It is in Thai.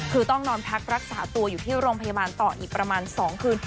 คือต้องนอนพักรักษาตัวอยู่ที่โรงพยาบาลต่ออีกประมาณ๒คืน